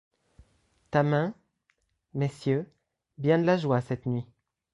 Ta main ?— Messieurs, bien de la joie cette nuit !